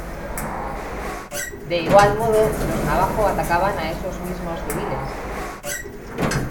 De igual modo, los navajo atacaban a esos mismos civiles.